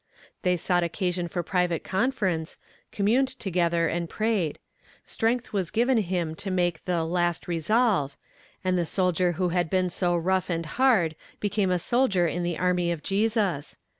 They sought occasion for private conference, communed together and prayed; strength was given him to make the "last resolve," and the soldier who had been so rough and had became a soldier in the Army of Jesus.